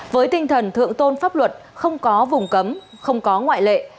với tinh thần thượng tôn pháp luật không có vùng cấm không có ngoại lệ